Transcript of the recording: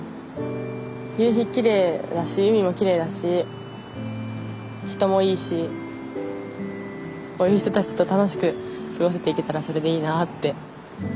夕日きれいだし海もきれいだし人もいいしこういう人たちと楽しく過ごせていけたらそれでいいなって。